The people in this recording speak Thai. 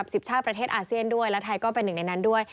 สิบชาติประเทศอาเซียนด้วยและไทยก็เป็นหนึ่งในนั้นด้วย